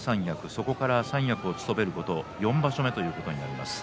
そこから三役を務めること４場所目ということになります。